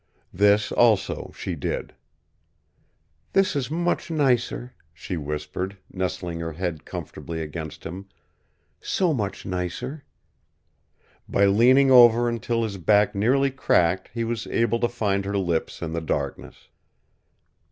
This also, she did. "This is much nicer," she whispered, nestling her head comfortably against him. "So much nicer." By leaning over until his back nearly cracked he was able to find her lips in the darkness.